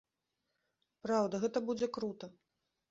Праўда, гэта будзе крута.